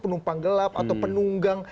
tumpang gelap atau penunggang